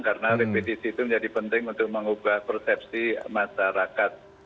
karena repetisi itu menjadi penting untuk mengubah persepsi masyarakat